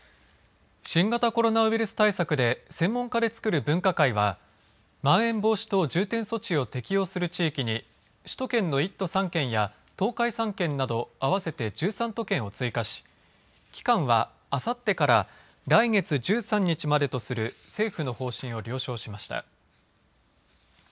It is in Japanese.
新型コロナウイルス対策で専門家で作る分科会はまん延防止等重点措置を適用する地域に首都圏の１都３県や東海３県など合わせて１３都県を追加し期間はあさってから来月１３日までとする政府の方針を了承しました。